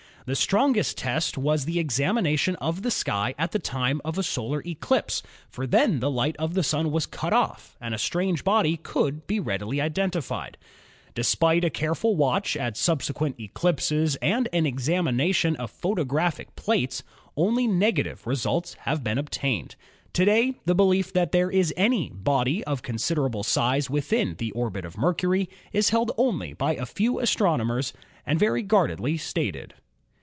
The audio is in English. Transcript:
The strongest test was the examination of the sky at the time of a solar eclipse, for then the light of the Sun was cut off and a strange body could be readily identified. Despite a careful watch at subsequent eclipses and an examination of photographic plates, only negative results have been obtained. To day the belief that there is any body of considerable size within the orbit of Mercury is held only by a few astrono mers and very guardedly stated.